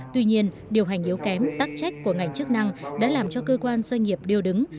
tuy nhiên điều hành yếu kém tắc trách của ngành chức năng đã làm cho cơ quan doanh nghiệp điều đứng